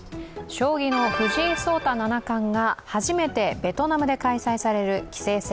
将棋の藤井聡太七冠が初めてベトナムで開催される棋聖戦